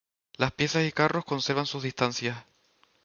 Las piezas y carros conservaban sus distancias.